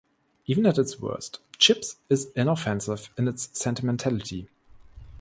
Even at its worst, "Chips" is inoffensive in its sentimentality.